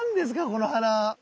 この花。